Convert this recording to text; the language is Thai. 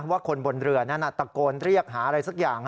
ว่าคนบนเรือนั้นตะโกนเรียกหาอะไรสักอย่าง